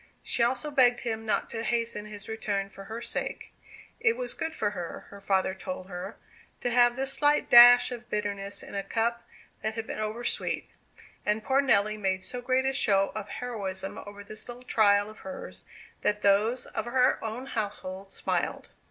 She also begged him not to hasten his return for her sake. It was good for her, her father told her, to have this slight dash of bitterness in a cup that had been over sweet. And poor Nelly made so great a show of heroism over this little trial of hers, that those of her own household smiled.